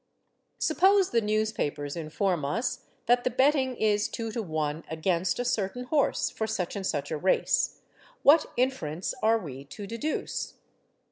Suppose the newspapers inform us that the betting is 2 to 1 against a certain horse for such and such a race, what inference are we to deduce?